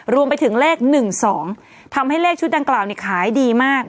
รวมไปถึงเลข๑๒ทำให้เลขชุดดังกล่าวขายดีมาก